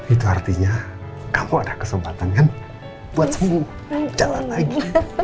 itu artinya kamu ada kesempatan kan buat sembuh jalan lagi